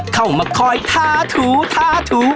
เข้ามาคอยทาถู